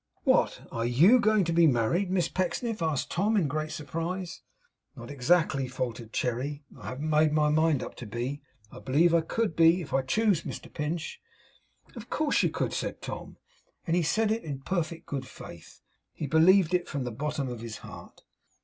'What! are YOU going to be married, Miss Pecksniff?' asked Tom in great surprise. 'Not exactly,' faltered Cherry. 'I haven't made up my mind to be. I believe I could be, if I chose, Mr Pinch.' 'Of course you could!' said Tom. And he said it in perfect good faith. He believed it from the bottom of his heart.